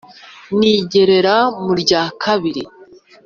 nigerera mu rya kabari